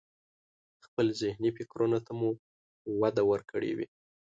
خپل ذهني فکرونو ته به مو وده ورکړي وي.